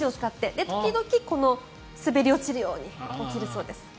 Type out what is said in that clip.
で、時々滑り落ちるように下りるそうです。